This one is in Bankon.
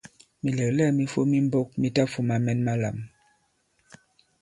Mìlɛ̀glɛ᷇k mi fōm i mbōk mi tafūma mɛn malām.